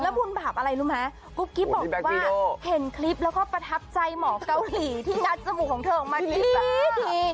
แล้วบุญบาปอะไรรู้มั้ยกุ๊กกี้บอกว่าเห็นคลิปแล้วก็ประทับใจหมอเกาหลีที่งัดสมุของเธอมาดี